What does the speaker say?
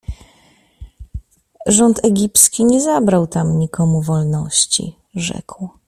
- Rząd egipski nie zabrał tam nikomu wolności - rzekł.